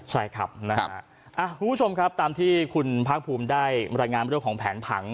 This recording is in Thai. ใช่ครับนะฮะคุณผู้ชมครับตามที่คุณภาคภูมิได้รายงานเรื่องของแผนผัง